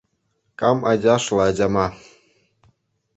Кам ачашлӗ ачама?